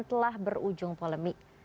telah berujung polemik